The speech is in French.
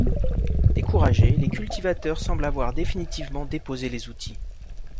Découragés, les cultivateurs semblent avoir définitivement déposé les outils.